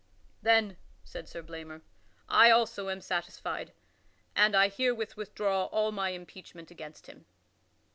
"Then," said Sir Blamor, "I also am satisfied, and I herewith withdraw all my impeachment against him."